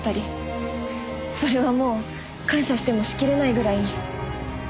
それはもう感謝してもしきれないぐらいに。